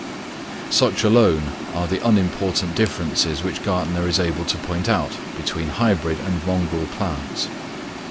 Such alone are the unimportant differences which Gärtner is able to point out between hybrid and mongrel plants.